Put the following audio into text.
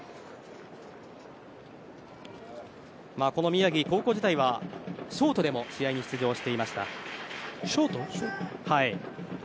宮城、高校時代はショートでも試合に出場していました。